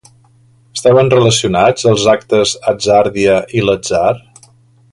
Estaven relacionats els actes Hatzàrdia i L'atzar?